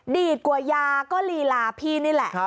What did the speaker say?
ดีกว่ายาก็ลีลาพี่นี่แหละ